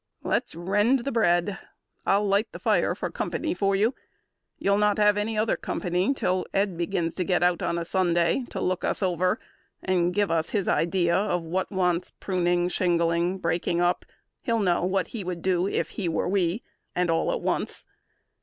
"Let's rend the bread. I'll light the fire for company for you; You'll not have any other company Till Ed begins to get out on a Sunday To look us over and give us his idea Of what wants pruning, shingling, breaking up. He'll know what he would do if he were we, And all at once.